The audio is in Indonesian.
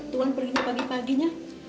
tuhan pergi pagi paginya